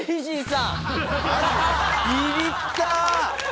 ビビった。